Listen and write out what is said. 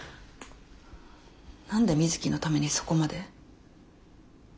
何でみづきのためにそこまで？